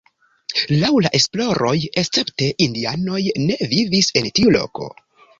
Laŭ la esploroj escepte indianoj ne vivis en tiu loko.